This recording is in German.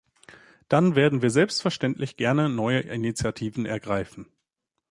Dann werden wir selbstverständlich gerne neue Initiativen ergreifen.